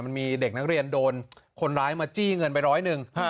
มันมีเด็กนักเรียนโดนคนร้ายมาจี้เงินไปร้อยหนึ่ง